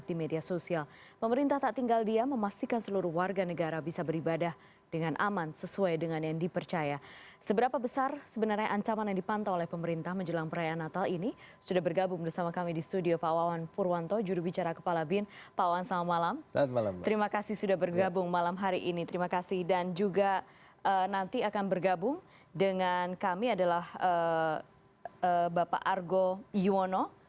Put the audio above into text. terima kasih dan juga nanti akan bergabung dengan kami adalah bapak argo yuwono